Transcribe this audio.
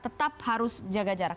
tetap harus jaga jarak